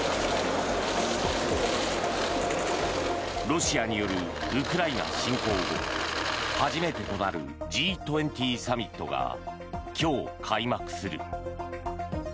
ロシアによるウクライナ侵攻後初めてとなるＧ２０サミットが今日、開幕する。